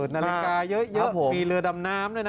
นาฬิกาเยอะมีเรือดำน้ำด้วยนะ